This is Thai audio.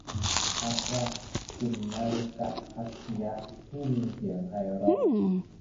พระลกุณฎกภัททิยะ ผู้มีเสียงไพเราะ